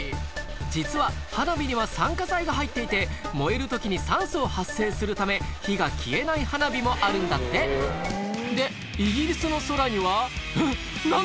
実は花火には酸化剤が入っていて燃える時に酸素を発生するため火が消えない花火もあるんだってでイギリスの空にはうん？